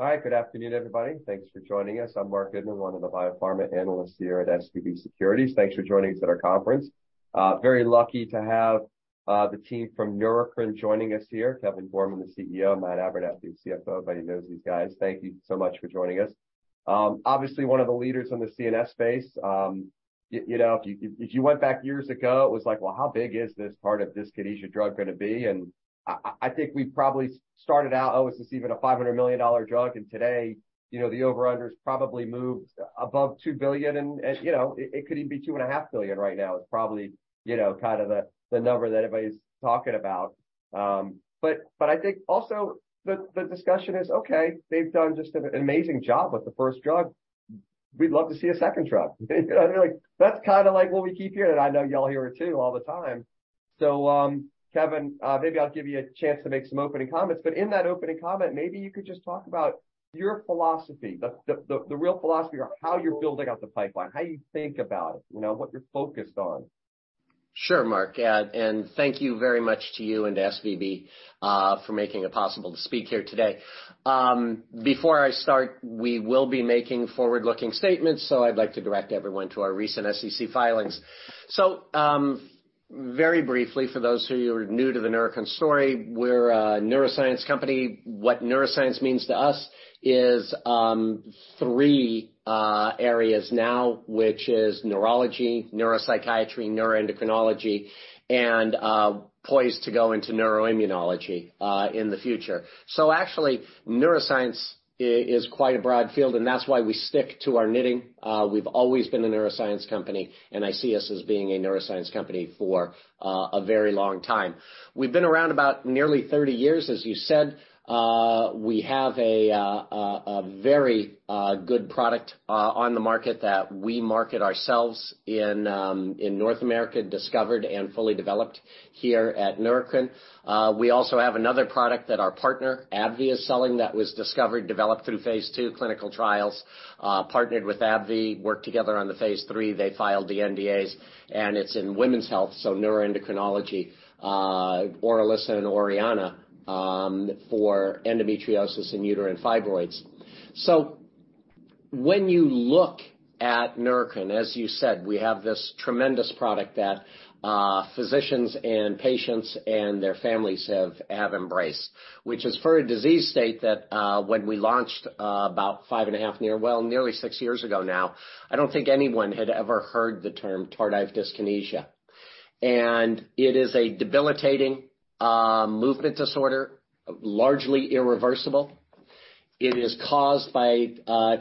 Hi. Good afternoon, everybody. Thanks for joining us. I'm Marc Goodman, one of the biopharma analysts here at SVB Securities. Thanks for joining us at our conference. Very lucky to have the team from Neurocrine joining us here. Kevin Gorman, the CEO, Matt Abernethy, the CFO. Everybody knows these guys. Thank you so much for joining us. Obviously one of the leaders in the CNS space. You know, if you went back years ago, it was like, well, how big is this part of tardive dyskinesia drug gonna be? I think we probably started out, oh, is this even a $500 million drug? Today, you know, the over-under has probably moved above $2 billion and, you know, it could even be $2.5 billion right now. It's probably, you know, kind of the number that everybody's talking about. I think also the discussion is, okay, they've done just an amazing job with the first drug. We'd love to see a second drug. You know what I mean? Like, that's kinda like what we keep hearing, and I know y'all hear it too all the time. Kevin, maybe I'll give you a chance to make some opening comments, but in that opening comment, maybe you could just talk about your philosophy, the real philosophy around how you're building out the pipeline, how you think about it, you know, what you're focused on. Sure, Marc. Thank you very much to you and to SVB for making it possible to speak here today. Before I start, we will be making forward-looking statements. I'd like to direct everyone to our recent SEC filings. Very briefly, for those of you who are new to the Neurocrine story, we're a neuroscience company. What neuroscience means to us is three areas now, which is neurology, neuropsychiatry, neuroendocrinology, and poised to go into neuroimmunology in the future. Actually, neuroscience is quite a broad field, and that's why we stick to our knitting. We've always been a neuroscience company, and I see us as being a neuroscience company for a very long time. We've been around about nearly 30 years, as you said. We have a very good product on the market that we market ourselves in North America, discovered and fully developed here at Neurocrine. We also have another product that our partner, AbbVie, is selling that was discovered, developed through phase II clinical trials, partnered with AbbVie, worked together on the phase III. They filed the NDAs. It's in women's health, so neuroendocrinology, ORILISSA and ORIAHNN, for endometriosis and uterine fibroids. When you look at Neurocrine, as you said, we have this tremendous product that physicians and patients and their families have embraced, which is for a disease state that when we launched about 5 and a half nearly 6 years ago now, I don't think anyone had ever heard the term tardive dyskinesia. It is a debilitating movement disorder, largely irreversible. It is caused by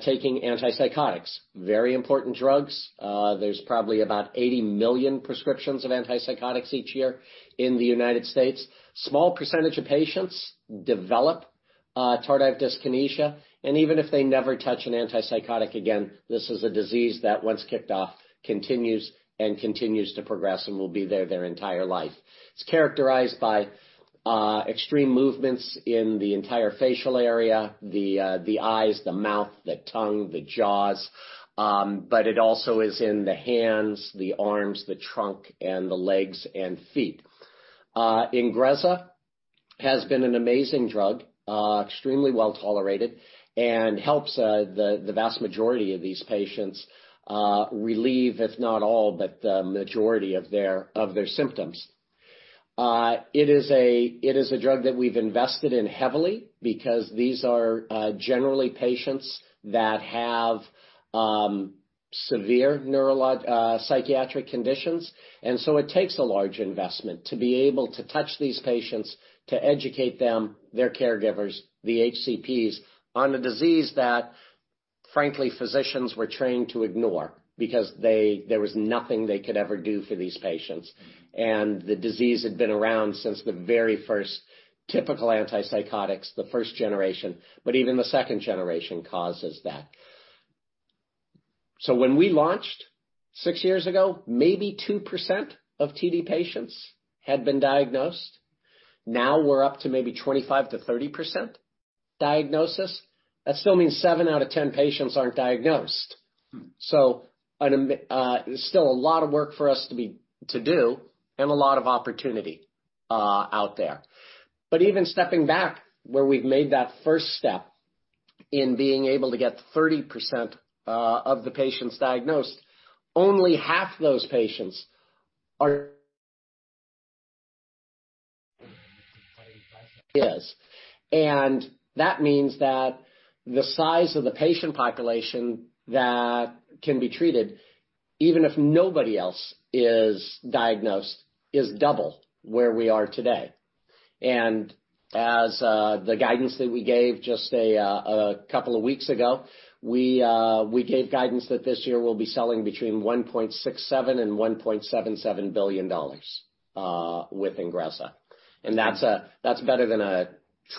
taking antipsychotics, very important drugs. There's probably about 80 million prescriptions of antipsychotics each year in the United States. Small percentage of patients develop tardive dyskinesia, and even if they never touch an antipsychotic again, this is a disease that, once kicked off, continues and continues to progress and will be there their entire life. It's characterized by extreme movements in the entire facial area, the eyes, the mouth, the tongue, the jaws, but it also is in the hands, the arms, the trunk, and the legs and feet. INGREZZA has been an amazing drug, extremely well-tolerated and helps the vast majority of these patients relieve, if not all, but the majority of their symptoms. It is a drug that we've invested in heavily because these are generally patients that have severe psychiatric conditions. It takes a large investment to be able to touch these patients, to educate them, their caregivers, the HCPs, on a disease that, frankly, physicians were trained to ignore because there was nothing they could ever do for these patients. The disease had been around since the very first typical antipsychotics, the first generation, but even the second generation causes that. When we launched 6 years ago, maybe 2% of TD patients had been diagnosed. Now we're up to maybe 25%-30% diagnosis. That still means 7 out of 10 patients aren't diagnosed. Still a lot of work for us to do and a lot of opportunity out there. Even stepping back where we've made that first step in being able to get 30% of the patients diagnosed, only half those patients are is. That means that the size of the patient population that can be treated, even if nobody else is diagnosed, is double where we are today. As the guidance that we gave just a couple of weeks ago, we gave guidance that this year we'll be selling between $1.67 billion-$1.77 billion with INGREZZA. That's better than a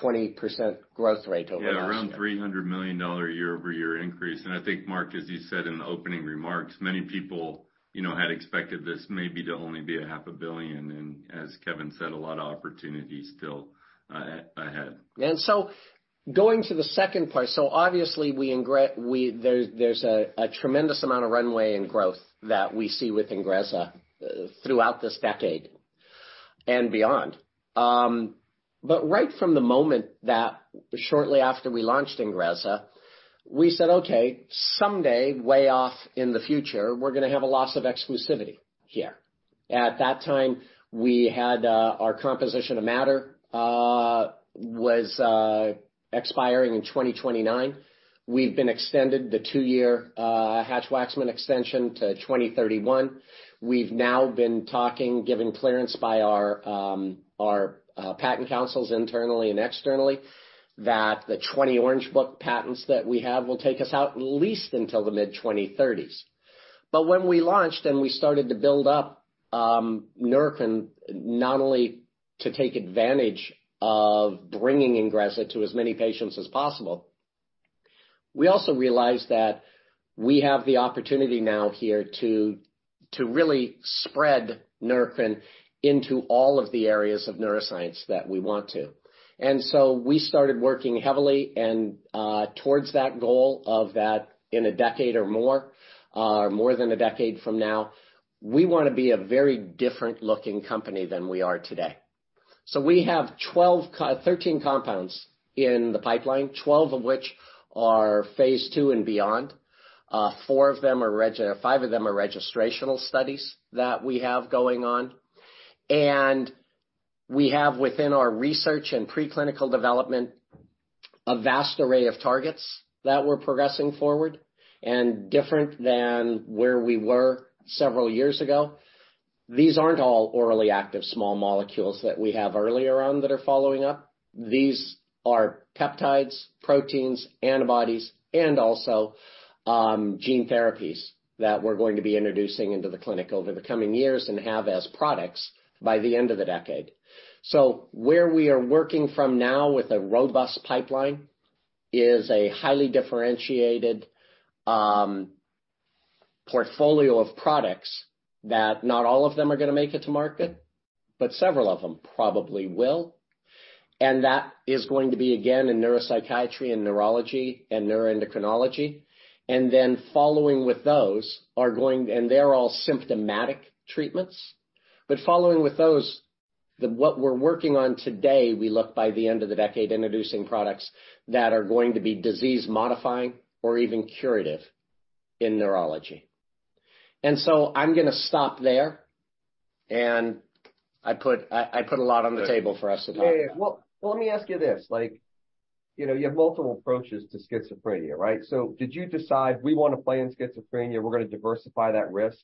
20% growth rate over last year. Yeah, around $300 million year-over-year increase. I think, Marc, as you said in the opening remarks, many people, you know, had expected this maybe to only be a half a billion, as Kevin said, a lot of opportunity still ahead. Going to the second part, obviously we there's a tremendous amount of runway and growth that we see with INGREZZA throughout this decade. Beyond. Right from the moment that shortly after we launched INGREZZA, we said, "Okay, someday, way off in the future, we're gonna have a loss of exclusivity here." At that time, we had our composition to matter was expiring in 2029. We've been extended the 2-year Hatch-Waxman extension to 2031. We've now been talking, given clearance by our our patent counsels internally and externally, that the 20 Orange Book patents that we have will take us out at least until the mid-2030s. When we launched and we started to build up Nerfin, not only to take advantage of bringing INGREZZA to as many patients as possible, we also realized that we have the opportunity now here to really spread Nerfin into all of the areas of neuroscience that we want to. We started working heavily towards that goal of that in a decade or more, more than a decade from now, we wanna be a very different-looking company than we are today. We have 13 compounds in the pipeline, 12 of which are phase II and beyond. 5 of them are registrational studies that we have going on. We have within our research and preclinical development, a vast array of targets that we're progressing forward, and different than where we were several years ago. These aren't all orally active small molecules that we have earlier on that are following up. These are peptides, proteins, antibodies, and also, gene therapies that we're going to be introducing into the clinic over the coming years and have as products by the end of the decade. Where we are working from now with a robust pipeline is a highly differentiated portfolio of products that not all of them are gonna make it to market, but several of them probably will. That is going to be again, in neuropsychiatry and neurology and neuroendocrinology. Then following with those, and they're all symptomatic treatments. Following with those, what we're working on today, we look by the end of the decade introducing products that are going to be disease modifying or even curative in neurology. I'm gonna stop there, and I put a lot on the table for us to talk about. Yeah, yeah. Well, let me ask you this, like, you know, you have multiple approaches to schizophrenia, right? Did you decide we wanna play in schizophrenia, we're gonna diversify that risk,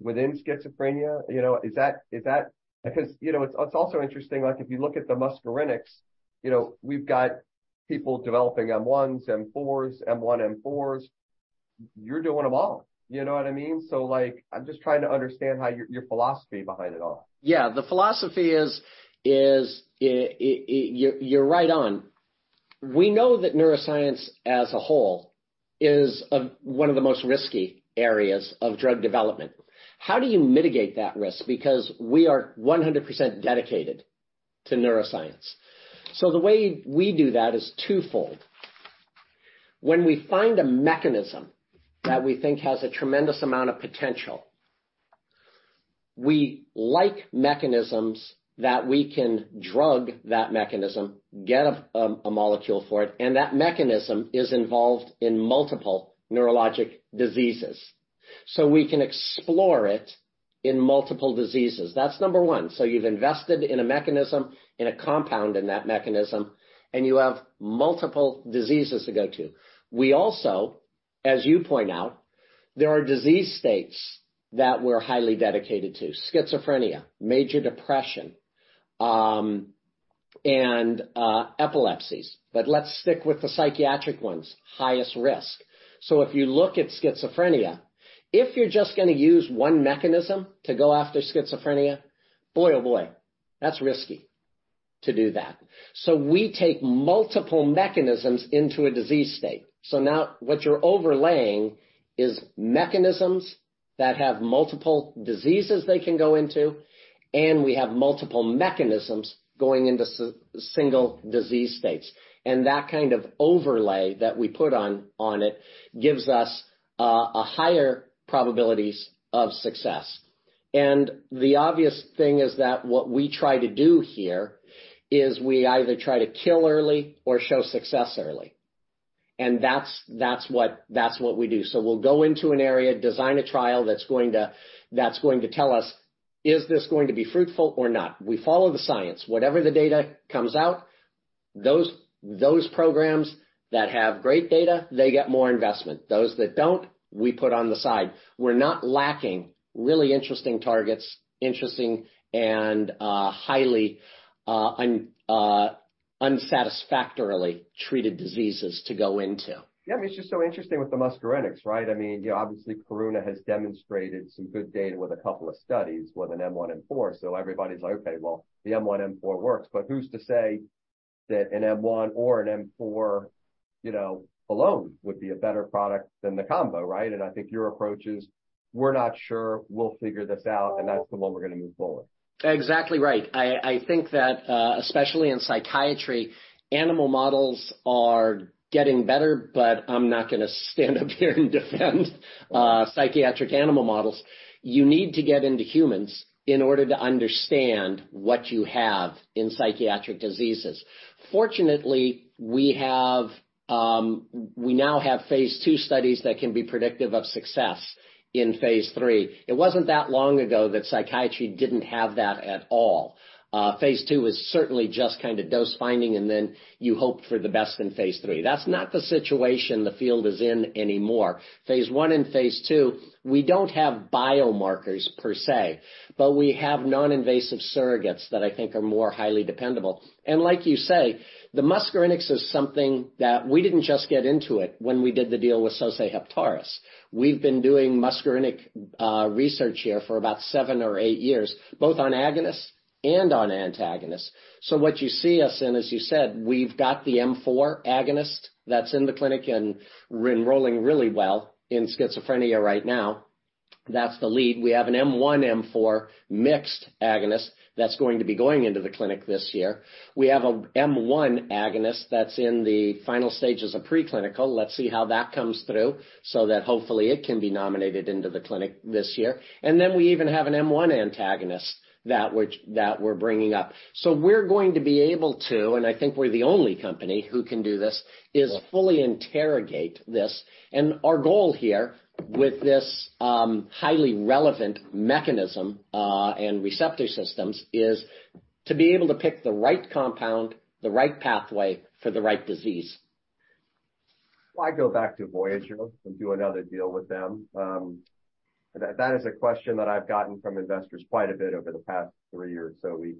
within schizophrenia? You know, is that? You know, it's also interesting, like if you look at the muscarinics, you know, we've got people developing M1s, M4s, M1M4s. You're doing them all. You know what I mean? Like, I'm just trying to understand how your philosophy behind it all. Yeah. The philosophy is, you're right on. We know that neuroscience as a whole is one of the most risky areas of drug development. How do you mitigate that risk? We are 100% dedicated to neuroscience. The way we do that is twofold. When we find a mechanism that we think has a tremendous amount of potential, we like mechanisms that we can drug that mechanism, get a molecule for it, and that mechanism is involved in multiple neurologic diseases. We can explore it in multiple diseases. That's number one. You've invested in a mechanism, in a compound in that mechanism, and you have multiple diseases to go to. We also, as you point out, there are disease states that we're highly dedicated to: schizophrenia, major depression, and epilepsies. Let's stick with the psychiatric ones, highest risk. If you look at schizophrenia, if you're just gonna use one mechanism to go after schizophrenia, boy, oh boy, that's risky to do that. We take multiple mechanisms into a disease state. Now what you're overlaying is mechanisms that have multiple diseases they can go into, and we have multiple mechanisms going into single disease states. That kind of overlay that we put on it gives us a higher probabilities of success. The obvious thing is that what we try to do here is we either try to kill early or show success early. That's what we do. We'll go into an area, design a trial that's going to tell us, is this going to be fruitful or not? We follow the science. Whatever the data comes out, those programs that have great data, they get more investment. Those that don't, we put on the side. We're not lacking really interesting targets, interesting and highly unsatisfactorily treated diseases to go into. Yeah. I mean, it's just so interesting with the muscarinics, right? I mean, you know, obviously Karuna has demonstrated some good data with a couple of studies with an M1M4, so everybody's like, "Okay, well, the M1M4 works," but who's to say that an M1 or an M4, you know, alone would be a better product than the combo, right? I think your approach is, we're not sure, we'll figure this out, and that's the one we're gonna move forward. Exactly right. I think that, especially in psychiatry, animal models are getting better, but I'm not gonna stand up here and defend psychiatric animal models. You need to get into humans in order to understand what you have in psychiatric diseases. Fortunately, we now have phase II studies that can be predictive of success in phase three. It wasn't that long ago that psychiatry didn't have that at all. phase II is certainly just kind of dose-finding, and then you hope for the best in phase three. That's not the situation the field is in anymore. phase I and phase II, we don't have biomarkers per se, but we have non-invasive surrogates that I think are more highly dependable. Like you say, the muscarinic is something that we didn't just get into it when we did the deal with Sosei Heptares. We've been doing muscarinic research here for about 7 or 8 years, both on agonists and on antagonists. What you see us in, as you said, we've got the M4 agonist that's in the clinic and we're enrolling really well in schizophrenia right now. That's the lead. We have an M1, M4 mixed agonist that's going to be going into the clinic this year. We have a M1 agonist that's in the final stages of preclinical. Let's see how that comes through so that hopefully it can be nominated into the clinic this year. Then we even have an M1 antagonist that we're bringing up. We're going to be able to, and I think we're the only company who can do this. Yeah. Is fully interrogate this. Our goal here with this highly relevant mechanism and receptor systems is to be able to pick the right compound, the right pathway for the right disease. Why go back to Voyager and do another deal with them? That is a question that I've gotten from investors quite a bit over the past 3 or so weeks.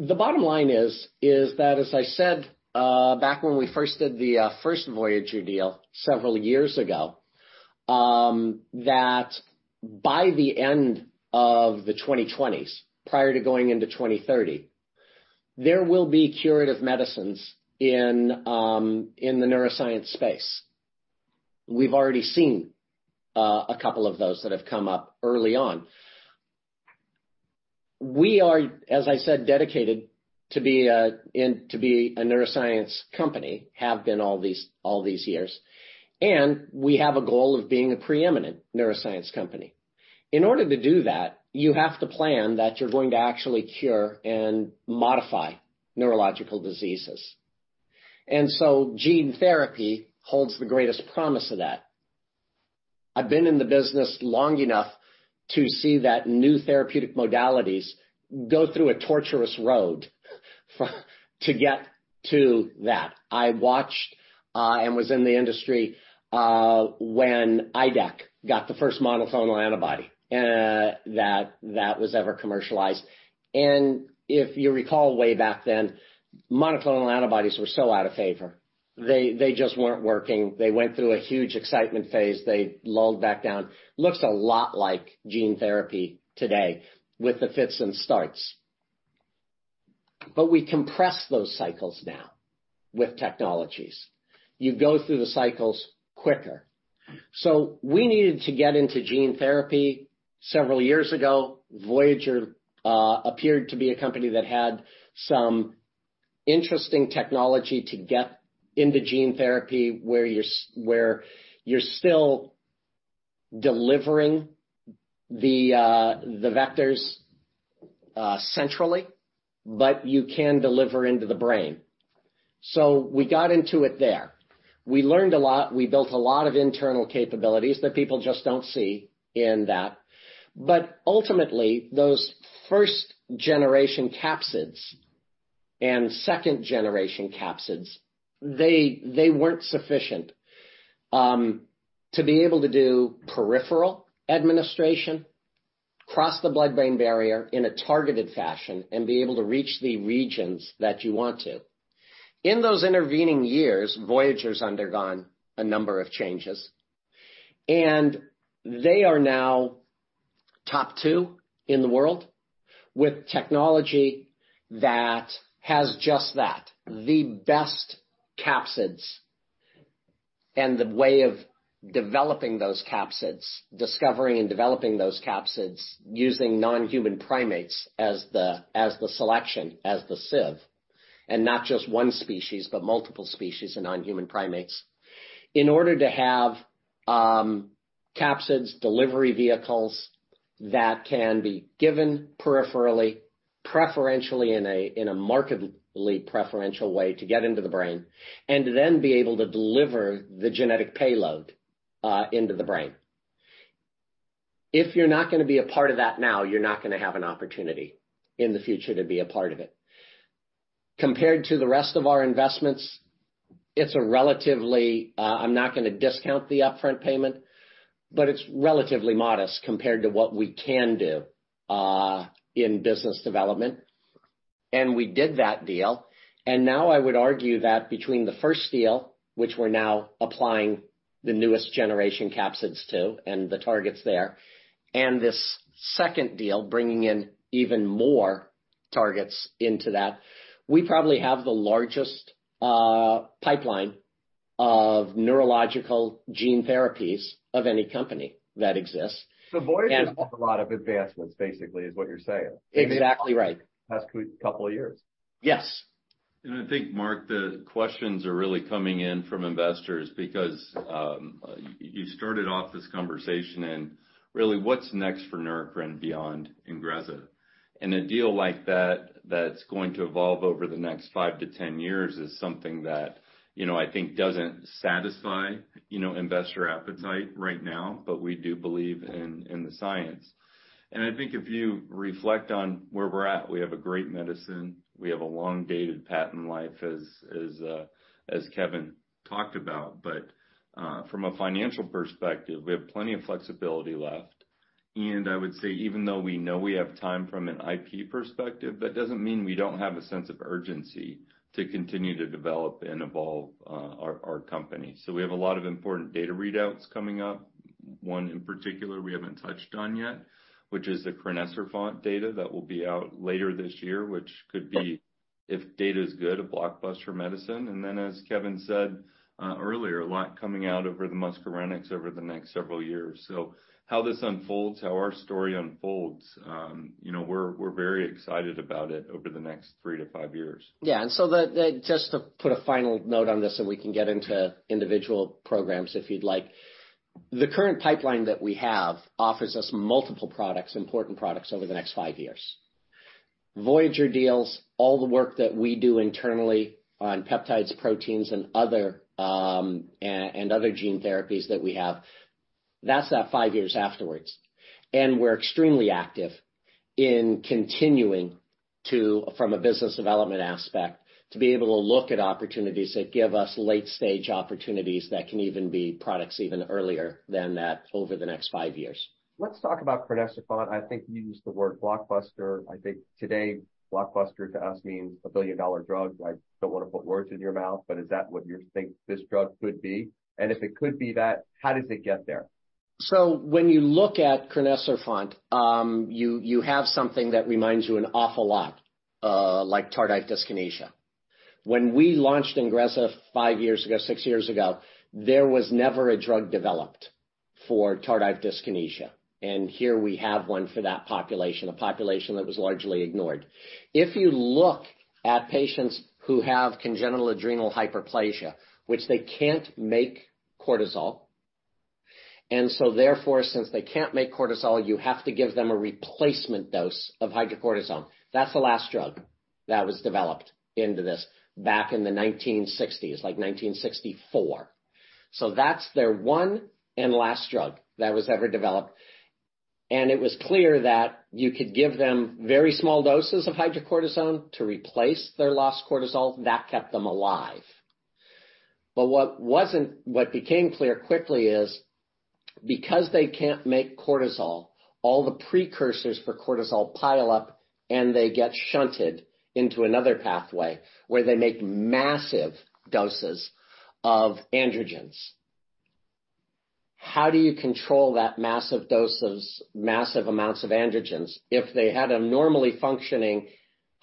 The bottom line is that, as I said, back when we first did the first Voyager deal several years ago, that by the end of the 2020s, prior to going into 2030, there will be curative medicines in the neuroscience space. We've already seen a couple of those that have come up early on. We are, as I said, dedicated to be a neuroscience company, have been all these, all these years. We have a goal of being a preeminent neuroscience company. In order to do that, you have to plan that you're going to actually cure and modify neurological diseases. Gene therapy holds the greatest promise of that. I've been in the business long enough to see that new therapeutic modalities go through a torturous road to get to that. I watched and was in the industry when IDEC got the first monoclonal antibody that was ever commercialized. If you recall way back then, monoclonal antibodies were so out of favor. They just weren't working. They went through a huge excitement phase, they lulled back down. Looks a lot like gene therapy today with the fits and starts. We compress those cycles now with technologies. You go through the cycles quicker. We needed to get into gene therapy several years ago. Voyager appeared to be a company that had some interesting technology to get into gene therapy, where you're still delivering the vectors centrally, but you can deliver into the brain. We got into it there. We learned a lot. We built a lot of internal capabilities that people just don't see in that. Ultimately, those first generation capsids and second generation capsids, they weren't sufficient to be able to do peripheral administration, cross the blood-brain barrier in a targeted fashion, and be able to reach the regions that you want to. In those intervening years, Voyager's undergone a number of changes, and they are now top 2 in the world with technology that has just that, the best capsids and the way of developing those capsids, discovering and developing those capsids using non-human primates as the, as the selection, as the sieve. Not just one species, but multiple species of non-human primates. In order to have capsids delivery vehicles that can be given peripherally, preferentially in a, in a markedly preferential way to get into the brain, and to then be able to deliver the genetic payload into the brain. If you're not gonna be a part of that now, you're not gonna have an opportunity in the future to be a part of it. Compared to the rest of our investments, it's a relatively, I'm not gonna discount the upfront payment, but it's relatively modest compared to what we can do in business development. We did that deal. Now I would argue that between the first deal, which we're now applying the newest generation capsids too, and the targets there. This second deal bringing in even more targets into that. We probably have the largest pipeline of neurological gene therapies of any company that exists. Voyager did a lot of advancements, basically, is what you're saying. Exactly right. Past couple of years. Yes. I think, Marc, the questions are really coming in from investors because you started off this conversation in really what's next for Neurocrine beyond INGREZZA. A deal like that that's going to evolve over the next 5 to 10 years is something that, you know, I think doesn't satisfy, you know, investor appetite right now, but we do believe in the science. I think if you reflect on where we're at, we have a great medicine, we have a long dated patent life, as Kevin talked about. From a financial perspective, we have plenty of flexibility left. I would say, even though we know we have time from an IP perspective, that doesn't mean we don't have a sense of urgency to continue to develop and evolve our company. We have a lot of important data readouts coming up. One in particular we haven't touched on yet, which is the crinecerfont data that will be out later this year, which could be, if data is good, a blockbuster medicine. As Kevin said, earlier, a lot coming out over the muscarinics over the next several years. How this unfolds, how our story unfolds, you know, we're very excited about it over the next 3-5 years. Yeah. Just to put a final note on this, and we can get into individual programs, if you'd like. The current pipeline that we have offers us multiple products, important products over the next 5 years. Voyager deals, all the work that we do internally on peptides, proteins, and other and other gene therapies that we have, that's that 5 years afterwards. We're extremely active in continuing to, from a business development aspect, to be able to look at opportunities that give us late-stage opportunities that can even be products even earlier than that over the next 5 years. Let's talk about crinecerfont. I think you used the word blockbuster. I think today, blockbuster to us means a billion-dollar drug. I don't wanna put words in your mouth, is that what you think this drug could be? If it could be that, how does it get there? When you look at crinecerfont, you have something that reminds you an awful lot like tardive dyskinesia. When we launched INGREZZA five years ago, six years ago, there was never a drug developed for tardive dyskinesia. Here we have one for that population, a population that was largely ignored. If you look at patients who have congenital adrenal hyperplasia, which they can't make cortisol. Therefore, since they can't make cortisol, you have to give them a replacement dose of hydrocortisone. That's the last drug that was developed into this back in the 1960s, like 1964. That's their one and last drug that was ever developed. It was clear that you could give them very small doses of hydrocortisone to replace their lost cortisol. That kept them alive. What became clear quickly is because they can't make cortisol, all the precursors for cortisol pile up, and they get shunted into another pathway where they make massive doses of androgens. How do you control that massive amounts of androgens? If they had a normally functioning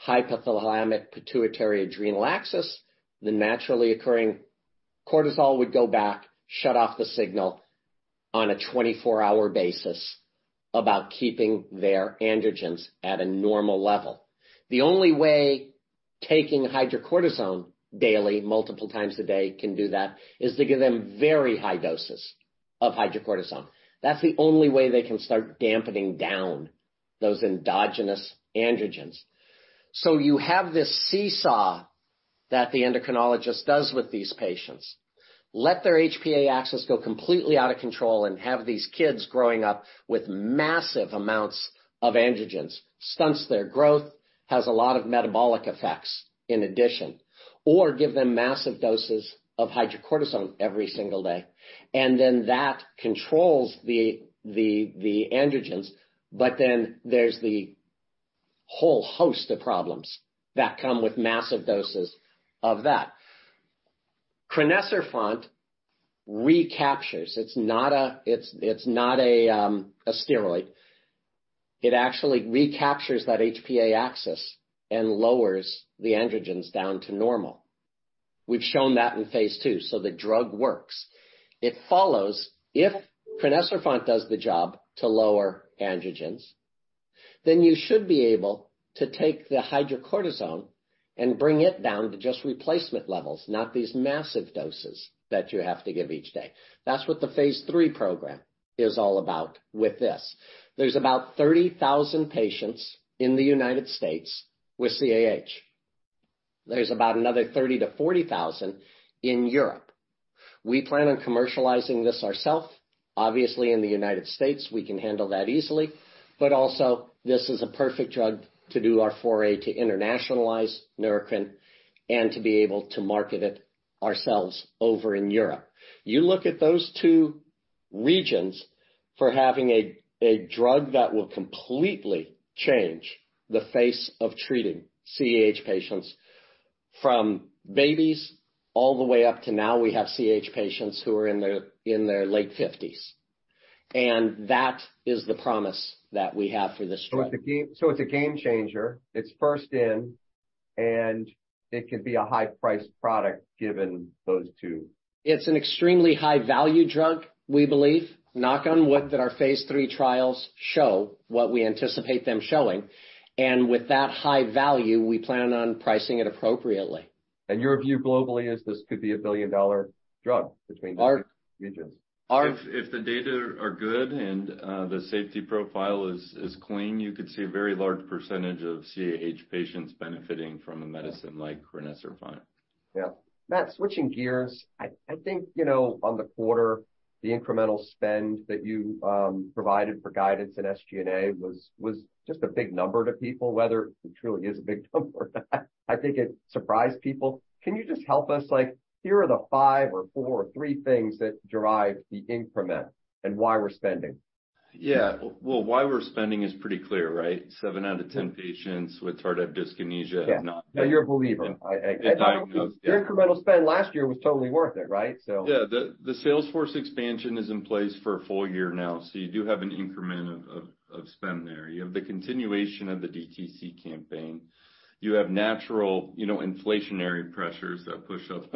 hypothalamic-pituitary-adrenal axis, the naturally occurring cortisol would go back, shut off the signal on a 24-hour basis about keeping their androgens at a normal level. The only way taking hydrocortisone daily, multiple times a day, can do that is to give them very high doses of hydrocortisone. That's the only way they can start dampening down those endogenous androgens. You have this seesaw that the endocrinologist does with these patients. Let their HPA axis go completely out of control and have these kids growing up with massive amounts of androgens. Stunts their growth, has a lot of metabolic effects in addition. give them massive doses of hydrocortisone every single day. that controls the androgens, there's the whole host of problems that come with massive doses of that. Crinecerfont recaptures. It's not a steroid. It actually recaptures that HPA axis and lowers the androgens down to normal. We've shown that in phase II, the drug works. If crinecerfont does the job to lower androgens, you should be able to take the hydrocortisone and bring it down to just replacement levels, not these massive doses that you have to give each day. That's what the phase three program is all about with this. 30,000 patients in the United States with CAH. another 30,000-40,000 in Europe. We plan on commercializing this ourself. Obviously, in the United States, we can handle that easily. Also, this is a perfect drug to do our foray to internationalize Neurocrine and to be able to market it ourselves over in Europe. You look at those 2 regions for having a drug that will completely change the face of treating CH patients from babies all the way up to now we have CH patients who are in their late 50s. That is the promise that we have for this drug. It's a game changer. It's first in, and it could be a high-priced product given those two. It's an extremely high-value drug, we believe. Knock on wood that our phase III trials show what we anticipate them showing. With that high value, we plan on pricing it appropriately. Your view globally is this could be a billion-dollar drug between. Our- The regions. Our- If the data are good and the safety profile is clean, you could see a very large percentage of CH patients benefiting from a medicine like crinecerfont. Yeah. Matt, switching gears. I think, you know, on the quarter, the incremental spend that you provided for guidance in SG&A was just a big number to people, whether it truly is a big number. I think it surprised people. Can you just help us like here are the 5 or 4 or 3 things that drive the increment and why we're spending? Yeah. Well, why we're spending is pretty clear, right? 7 out of 10 patients with tardive dyskinesia have not- Yeah. You're a believer. diagnosed, yeah. Your incremental spend last year was totally worth it, right? Yeah. The, the sales force expansion is in place for a full year now, so you do have an increment of spend there. You have the continuation of the DTC campaign. You have natural, you know, inflationary pressures that push up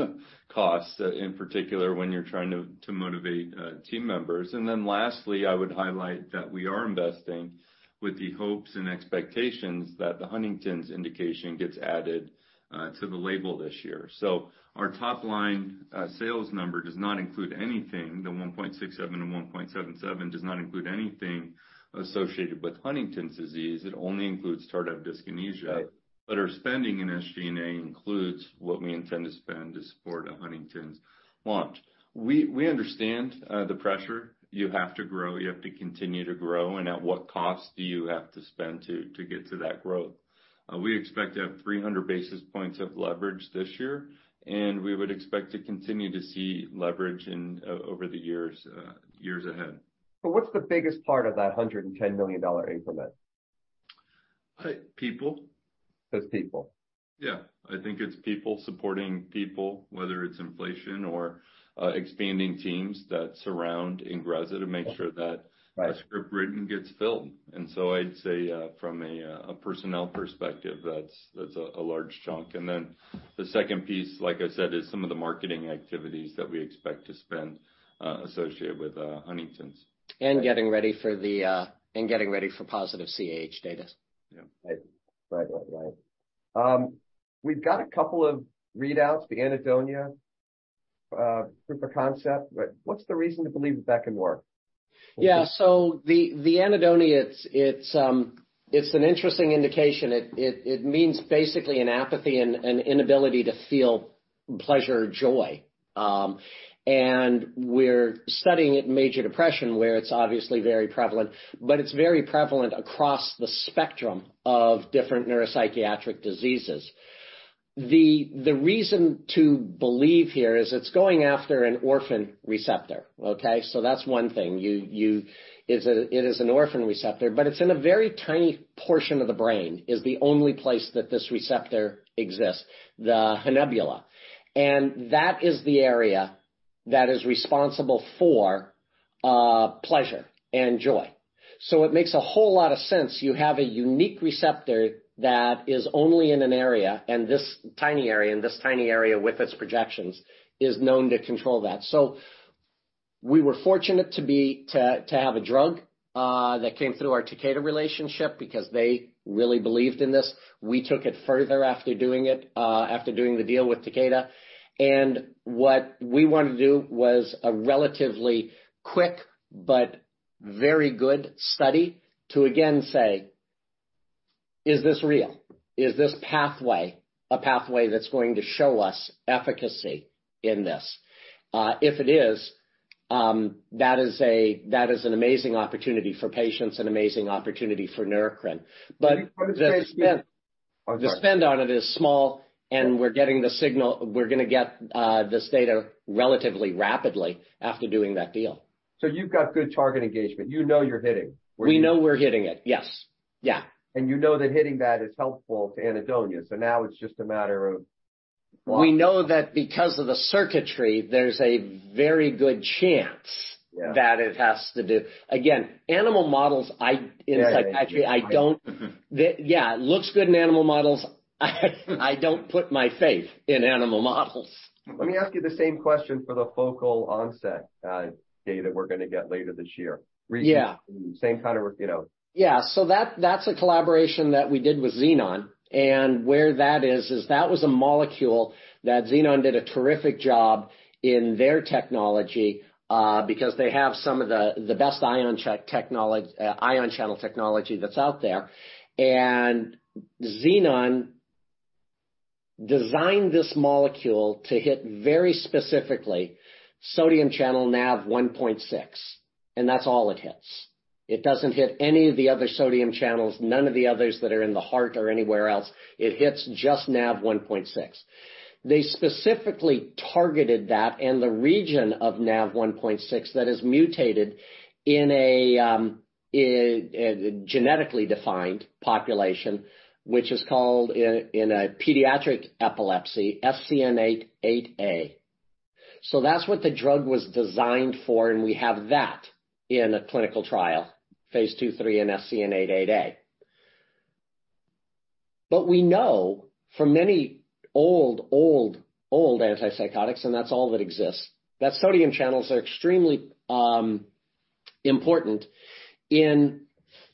costs in particular, when you're trying to motivate team members. Lastly, I would highlight that we are investing with the hopes and expectations that the Huntington's indication gets added to the label this year. Our top line sales number does not include anything. The $1.67 and $1.77 does not include anything associated with Huntington's disease. It only includes tardive dyskinesia. Right. Our spending in SG&A includes what we intend to spend to support a Huntington's launch. We understand the pressure. You have to grow. You have to continue to grow, and at what cost do you have to spend to get to that growth? We expect to have 300 basis points of leverage this year, and we would expect to continue to see leverage over the years ahead. What's the biggest part of that $110 million increment? people. It's people. Yeah. I think it's people supporting people, whether it's inflation or expanding teams that surround INGREZZA to make sure that- Right... a script written gets filled. I'd say, from a personnel perspective, that's a large chunk. The second piece, like I said, is some of the marketing activities that we expect to spend, associated with Huntington's. Getting ready for positive CH data. Yeah. Right. Right. Right. Right. We've got a couple of readouts, the anhedonia, proof of concept. What's the reason to believe that that can work? Yeah. The, the anhedonia, it's an interesting indication. It means basically an apathy and inability to feel pleasure, joy. We're studying it in major depression, where it's obviously very prevalent, but it's very prevalent across the spectrum of different neuropsychiatric diseases. The, the reason to believe here is it's going after an orphan receptor, okay? That's one thing. It is an orphan receptor, but it's in a very tiny portion of the brain. It's the only place that this receptor exists, the habenula. That is the area that is responsible for pleasure and joy. It makes a whole lot of sense. You have a unique receptor that is only in an area, and this tiny area with its projections, is known to control that. We were fortunate to have a drug that came through our Takeda relationship because they really believed in this. We took it further after doing it after doing the deal with Takeda. What we wanted to do was a relatively quick but very good study to again say, "Is this real? Is this pathway a pathway that's going to show us efficacy in this?" If it is, that is an amazing opportunity for patients, an amazing opportunity for Neurocrine. The spend- Oh, sorry. The spend on it is small, and we're getting the signal. We're gonna get this data relatively rapidly after doing that deal. You've got good target engagement. You know you're hitting where. We know we're hitting it. Yes. Yeah. you know that hitting that is helpful to anhedonia, so now it's just a matter of- We know that because of the circuitry, there's a very good chance- Yeah that it has to do. Again, animal models. Yeah. In psychiatry, I don't-. Mm-hmm. Yeah. It looks good in animal models. I don't put my faith in animal models. Let me ask you the same question for the focal onset data we're gonna get later this year. Yeah. Recent same kind of, you know. Yeah. That's a collaboration that we did with Xenon Pharmaceuticals. Where that is, that was a molecule that Xenon Pharmaceuticals did a terrific job in their technology, because they have some of the best ion channel technology that's out there. Xenon Pharmaceuticals designed this molecule to hit very specifically sodium channel Nav1.6, and that's all it hits. It doesn't hit any of the other sodium channels, none of the others that are in the heart or anywhere else. It hits just Nav1.6. They specifically targeted that and the region of Nav1.6 that is mutated in a genetically defined population, which is called in a pediatric epilepsy, SCN8A. That's what the drug was designed for, and we have that in a clinical trial, phase II, 3 in SCN8A. We know from many old antipsychotics, and that's all that exists, that sodium channels are extremely important in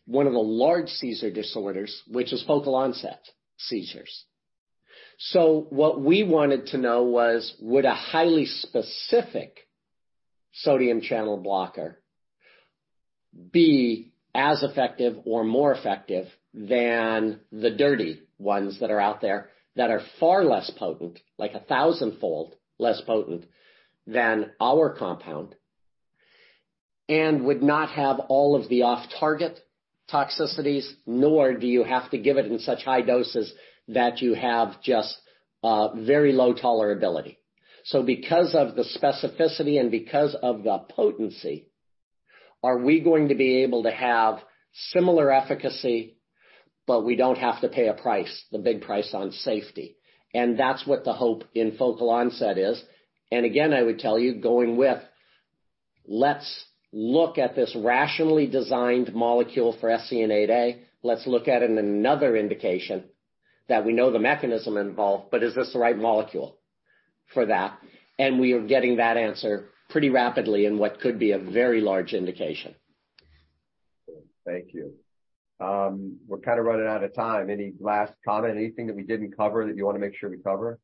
one of the large seizure disorders, which is focal onset seizures. What we wanted to know was, would a highly specific sodium channel blocker be as effective or more effective than the dirty ones that are out there that are far less potent, like a 1,000-fold less potent than our compound, and would not have all of the off-target toxicities, nor do you have to give it in such high doses that you have just very low tolerability. Because of the specificity and because of the potency, are we going to be able to have similar efficacy, but we don't have to pay a price, the big price on safety? That's what the hope in focal onset is. Again, I would tell you, going with let's look at this rationally designed molecule for SCN8A. Let's look at it in another indication that we know the mechanism involved, but is this the right molecule for that? We are getting that answer pretty rapidly in what could be a very large indication. Thank you. We're kinda running out of time. Any last comment, anything that we didn't cover that you wanna make sure we cover?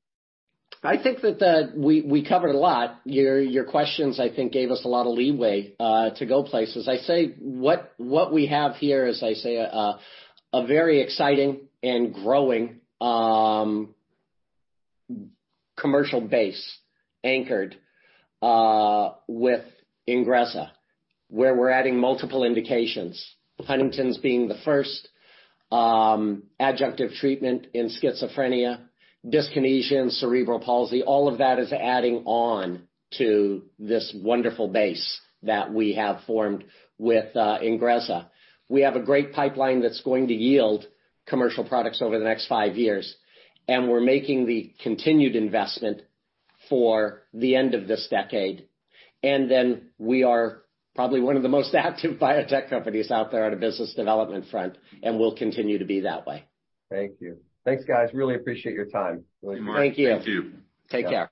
I think that we covered a lot. Your questions, I think, gave us a lot of leeway to go places. I say what we have here is, I say, a very exciting and growing commercial base anchored with INGREZZA, where we're adding multiple indications, Huntington's being the first, adjunctive treatment in schizophrenia, dyskinesia, and cerebral palsy. All of that is adding on to this wonderful base that we have formed with INGREZZA. We have a great pipeline that's going to yield commercial products over the next five years, and we're making the continued investment for the end of this decade. Then we are probably one of the most active biotech companies out there on a business development front, and we'll continue to be that way. Thank you. Thanks, guys. Really appreciate your time. Thank you. Marc, thank you. Take care.